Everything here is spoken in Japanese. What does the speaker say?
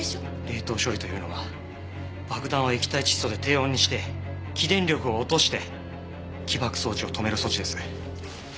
冷凍処理というのは爆弾を液体窒素で低温にして起電力を落として起爆装置を止める措置です。